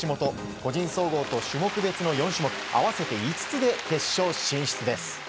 個人総合と種目別の４種目合わせて５つで決勝進出です。